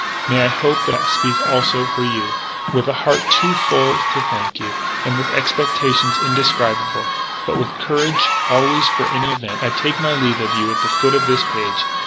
May I hope that I speak, also, for you? "With a heart too full to thank you, and with expectations indescribable but with courage, always, for any event, I take my leave of you at the foot of this page.